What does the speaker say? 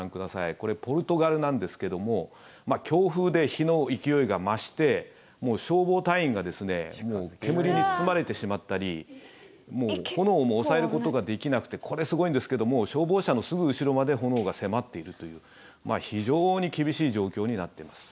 これ、ポルトガルなんですけども強風で火の勢いが増してもう消防隊員が煙に包まれてしまったりもう炎も抑えることができなくてこれ、すごいんですけども消防車のすぐ後ろまで炎が迫っているという非常に厳しい状況になっています。